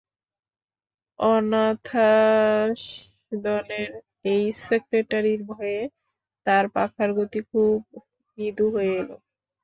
অনাথাসদনের এই সেক্রেটারির ভয়ে তার পাখার গতি খুব মৃদু হয়ে এল।